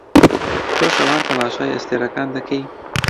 تۆ شەوان تەماشای ئەستێرەکان دەکەی؟